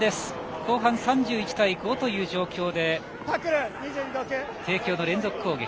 後半３１対５という状況で帝京の連続攻撃。